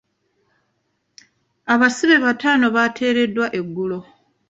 Abasibe bataano baateeredwa egulo